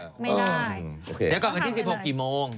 แล้วก็วันที่๑๖ตอนก่อนกี่โมง